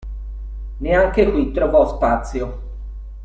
Neanche qui trovò spazio.